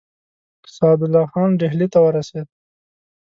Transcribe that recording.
سعدالله خان ډهلي ته ورسېد.